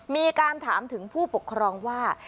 มีการถามถึงผู้ปกครองว่า